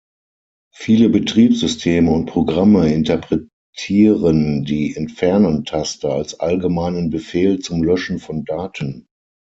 Viele Betriebssysteme und Programme interpretieren die Entfernen-Taste als allgemeinen Befehl zum Löschen von Daten.